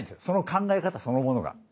その考え方そのものが。